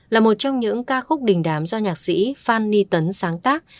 là một trong những ca khúc đình đám do nhạc sĩ phan ni tấn sáng tác